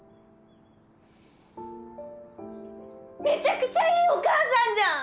めちゃくちゃいいお母さんじゃん！